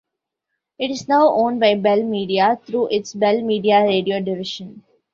It is now owned by Bell Media through its Bell Media Radio division.